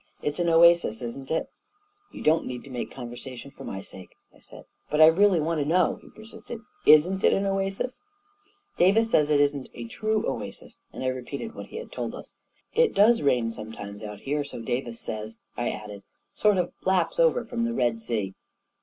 It's an oasis, isn't it? " i 3 8 A KING IN BABYLON " You don't need to make conversation for my sake," I said. " But I really want to know," he persisted. "Isn't it an oasis?" " Davis says it isn't a true oasis," and I repeated what he had told us. " It does rain sometimes out here, so Davis says,' 9 I added; "sort of laps over from the Red Sea."